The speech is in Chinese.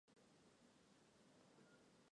山东省主席王耀武增兵驰援。